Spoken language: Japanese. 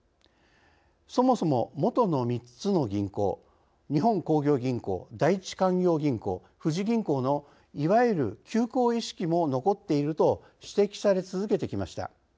そもそも元の３つの銀行日本興業銀行・第一勧業銀行富士銀行のいわゆる旧行意識も残っていると指摘され続けてきました。